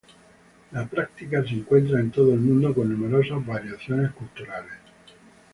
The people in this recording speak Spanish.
La práctica se encuentra en todo el mundo, con numerosas variaciones culturales.